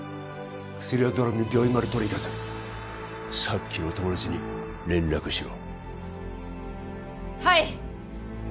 薬はドラムに病院まで取りにいかせるさっきのお友達に連絡しろはい！